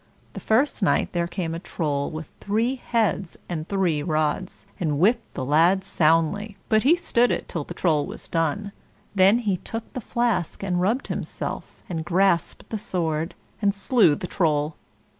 The first night there came a Troll with three heads and three rods, and whipped the lad soundly; but he stood it till the Troll was done; then he took the flask and rubbed himself, and grasped the sword and slew the Troll.